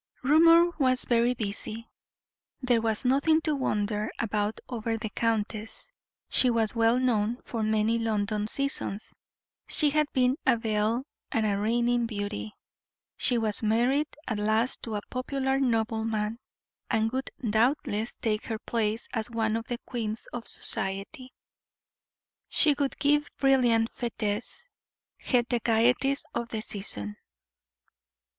Rumor was very busy. There was nothing to wonder about over the countess she was well known for many London seasons; she had been a belle and a reigning beauty, she was married at last to a popular nobleman, and would doubtless take her place as one of the queens of society; she would give brilliant fetes, head the gayeties of the season.